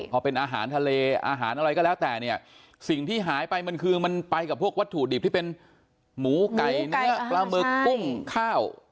พอเป็นอาหารทะเลอาหารอะไรก็แล้วแต่เนี่ยสิ่งที่หายไปมันคือมันไปกับพวกวัตถุดิบที่เป็นหมูไก่เนื้อปลาหมึกกุ้งข้าว